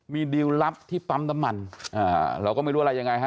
มีดิวลลับที่ปั๊มน้ำมันอ่าเราก็ไม่รู้อะไรยังไงฮะ